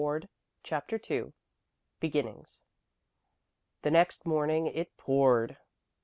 CHAPTER II BEGINNINGS The next morning it poured.